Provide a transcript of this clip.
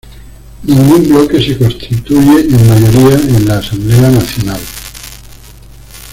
Ningún bloque se constituye en mayoría en la Asamblea Nacional.